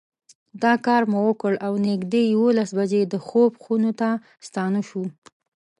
دا کار مو وکړ او نږدې یوولس بجې د خوب خونو ته ستانه شوو.